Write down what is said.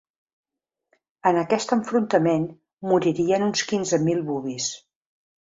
En aquest enfrontament moririen uns quinze mil Bubis.